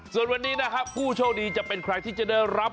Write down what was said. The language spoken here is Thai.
ส่วนวันนี้นะครับผู้โชคดีจะเป็นใครที่จะได้รับ